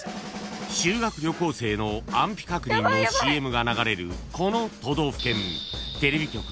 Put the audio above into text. ［修学旅行生の安否確認のＣＭが流れるこの都道府県］